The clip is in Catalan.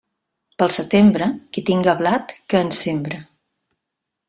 Pel setembre, qui tinga blat, que en sembre.